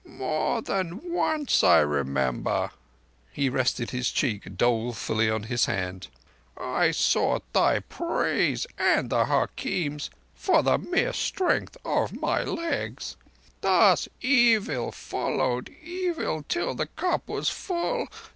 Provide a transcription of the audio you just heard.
"More than once I remember"—he rested his cheek dolefully on his hand—"I sought thy praise and the hakim's for the mere strength of my legs. Thus evil followed evil till the cup was full.